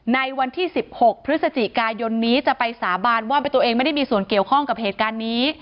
ในวันที่๑๖พฤศจิกายนนี้จะไปสาบานว่าตัวเองไม่ได้มีส่วนเกี่ยวข้องกับเหตุการณ์นี้